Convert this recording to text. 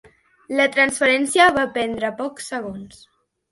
La transferència va prendre pocs segons.